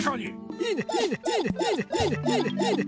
いいね！